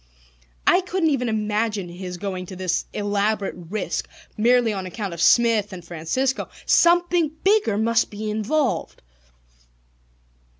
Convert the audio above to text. I couldn't even imagine his going to this elaborate risk merely on account of Smith and Francisco. Something bigger must be involved.